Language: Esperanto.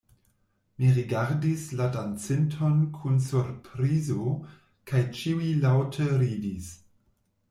Mi rigardis la dancinton kun surprizo kaj ĉiuj laŭte ridis.